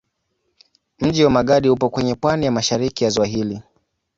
Mji wa Magadi upo kwenye pwani ya mashariki ya ziwa hili.